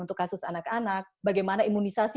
untuk kasus anak anak bagaimana imunisasi